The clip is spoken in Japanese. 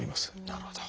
なるほど。